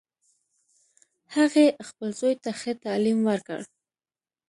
هغې خپل زوی ته ښه تعلیم ورکړ